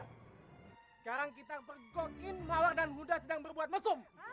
sekarang kita bergokin mawar dan muda sedang berbuat mesum